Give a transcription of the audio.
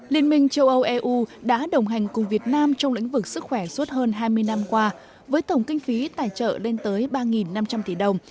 liên minh châu âu eu đã đồng hành cùng việt nam trong lĩnh vực sức khỏe suốt hơn hai mươi năm qua với tổng kinh phí tài trợ lên tới ba năm trăm linh tỷ đồng